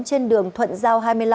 trên đường thuận giao hai mươi năm